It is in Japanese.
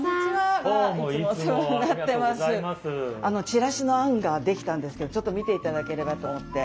チラシの案ができたんですけどちょっと見ていただければと思って。